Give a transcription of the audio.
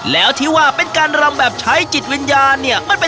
แล้วที่ว่าเป็นการรำแบบใช้จิตวิญญาณเนี่ย